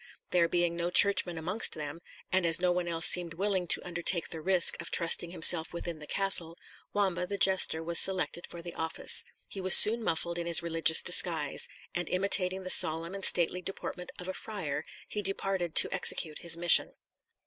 There being no churchman amongst them, and as no one else seemed willing to undertake the risk of trusting himself within the castle, Wamba, the jester, was selected for the office. He was soon muffled in his religious disguise; and imitating the solemn and stately deportment of a friar, he departed to execute his mission.